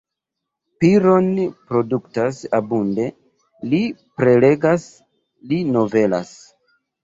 Piron produktas abunde, li prelegas, li novelas.